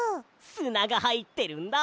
すながはいってるんだ！